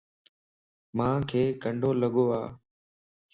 مانک ڪنڊو لڳو اَ